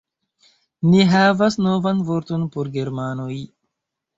Ni havas novan vorton por germanoj